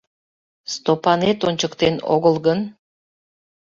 Стопанет ончыктен огыл гын?..